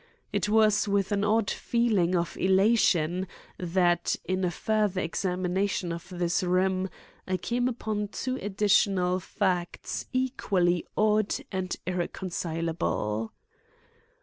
It was with an odd feeling of elation that, in a further examination of this room, I came upon two additional facts equally odd and irreconcilable.